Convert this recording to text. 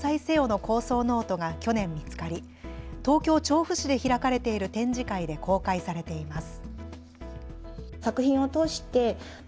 の構想ノートが去年見つかり東京調布市で開かれている展示会で公開されています。